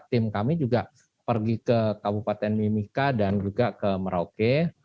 tim kami juga pergi ke kabupaten mimika dan juga ke merauke